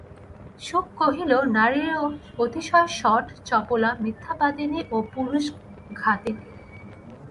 শুক কহিল, নারীও অতিশয় শঠ, চপলা, মিথ্যাবাদিনী ও পুরুষঘাতিনী।